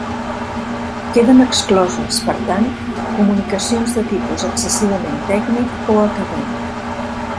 Queden excloses, per tant, comunicacions de tipus excessivament tècnic o acadèmic.